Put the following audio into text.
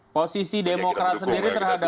posisi demokrat sendiri terhadap